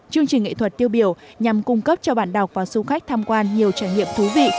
chương trình nghệ thuật tiêu biểu nhằm cung cấp cho bạn đọc và du khách tham quan nhiều trải nghiệm thú vị